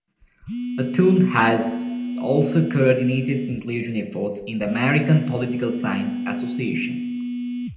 Htun has also coordinated inclusion efforts in the American Political Science Association.